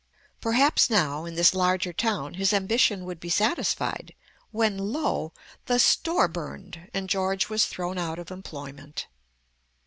Perhaps now in this larger town his ambition would be satisfied, when, lo! the store burned, and George was thrown out of employment.